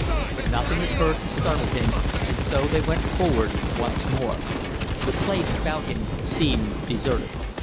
But nothing occurred to startle him, and so they went forward once more. The place about him seemed deserted.